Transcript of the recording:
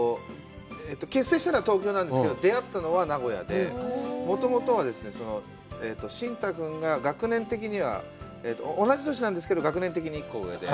結成したのは東京なんですけど、出会ったのは名古屋で、もともとはですね、真太君が学年的には同じ年なんですけど学年的に１個上で。